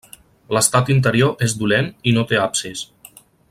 L'estat interior és dolent i no té absis.